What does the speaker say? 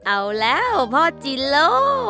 เอาแล้วพ่อจิโล